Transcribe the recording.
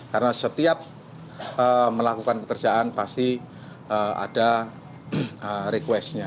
karena setiap melakukan pekerjaan pasti ada request nya